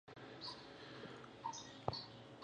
باید دا لیدلوری نور هم روښانه کړو.